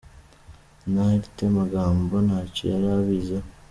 Na Lt Magambo ntacyo yari abiziho.